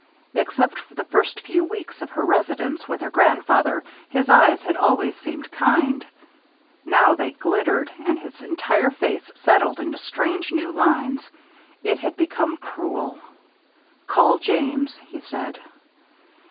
Except for the first few weeks of her residence with her grandfather his eyes had always seemed kind. Now they glittered and his entire face settled into strange, new lines. It had become cruel. "Call James!" he said.